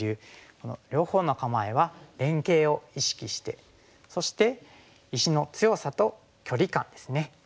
この両方の構えは連携を意識してそして石の強さと距離感ですね。